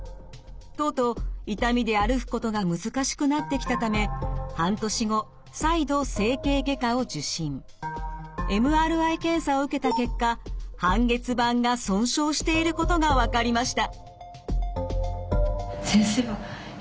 とうとう痛みで歩くことが難しくなってきたためＭＲＩ検査を受けた結果半月板が損傷していることが分かりました。